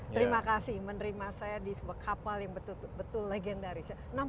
terima kasih menerima saya di sebuah kapal yang betul betul legendaris